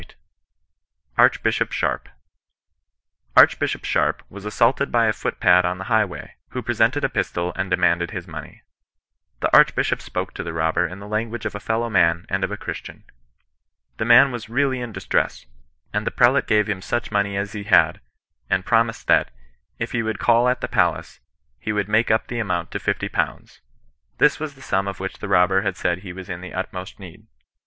CIIBISTIAN NON BESISTANCK. Ill ARCHBISHOP SHARPE. '^ Archbishop Sharpe was assaulted by a footpad on the highway, who presented a pistol and demanded his money. The Archbishop spoke to the robber in the lan guage of a fellow man and of a Christian. The man was really in distress, and the prelate gave him such money as he had, and promised that, if he would call at the palace, he would make up the amount to fifty pounds. This was the sum of which the robber had said he was in the utmost need.